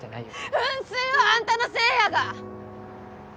噴水はアンタのせいやが！